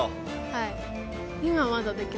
はい。